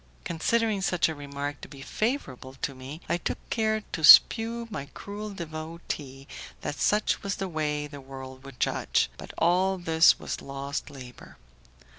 Considering such a remark to be favourable to me, I took care to shew my cruel devotee that such was the way the world would judge, but all this was lost labour.